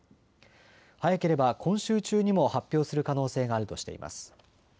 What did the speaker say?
早ければ今週中にも発表する可能性があるとしています。